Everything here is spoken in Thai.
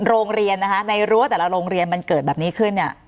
โรงเรียนนะคะในรั้วแต่ละโรงเรียนมันเกิดแบบนี้ขึ้นเนี่ย